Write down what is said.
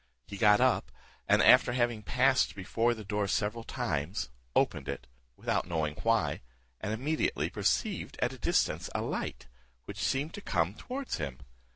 He got up, and after having passed before the door several times, opened it, without knowing why, and immediately perceived at a distance a light, which seemed to come towards him.